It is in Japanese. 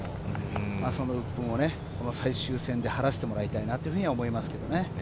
そのうっぷんを最終戦で晴らしてもらいたいなと思います。